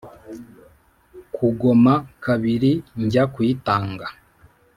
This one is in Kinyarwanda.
Kugoma kabiri njya kuyitanga